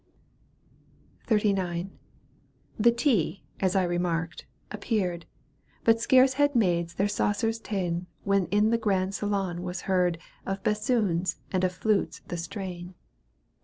XXXIX. The tea, as I remarked, appeared. But scarce had maids their saucers ta'en When in the grand stdoon was heard Of bassoons and of flutes the strain.